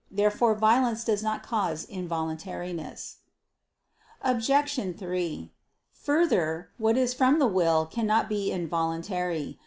Therefore violence does not cause involuntariness. Obj. 3: Further, what is from the will cannot be involuntary.